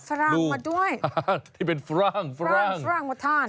ฝรั่งมาด้วยที่เป็นฝรั่งฝรั่งฝรั่งมาทาน